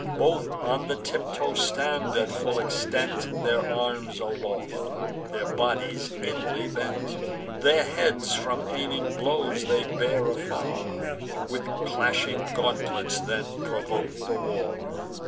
Both on the tiptoe stand, at full extent, Their arms aloft, their bodies inly bent; Their heads from aiming blows they bear afar; With clashing gauntlets then provoke the war.